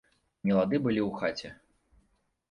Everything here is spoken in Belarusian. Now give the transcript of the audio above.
Нелады былі ў хаце.